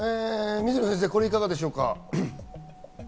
水野先生、これはいかがでしょうか？